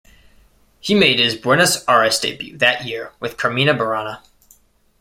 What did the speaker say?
He made his Buenos Aires debut that year with Carmina Burana.